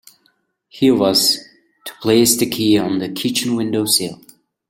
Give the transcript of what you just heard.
He was to place the key on the kitchen window-sill.